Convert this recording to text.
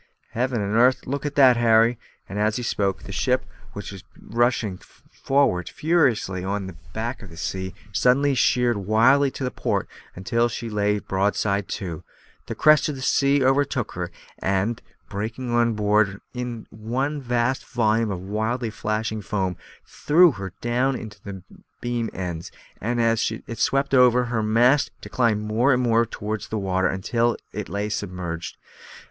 Heaven and 'arth! look at that, Harry." As he spoke, the ship, which was rushing forward furiously on the back of a sea, suddenly sheered wildly to port, until she lay broadside to; the crest of the sea overtook her, and, breaking on board her in one vast volume of wildly flashing foam, threw her down upon her beam ends, and, as it swept over her, her mast declined more and more towards the water, until it lay submerged.